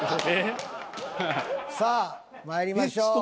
さあまいりましょう。